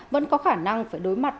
vẫn có khả năng phải đối mặt